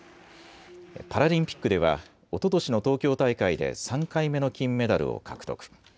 パラリンピックではおととしの東京大会で３回目の金メダルを獲得。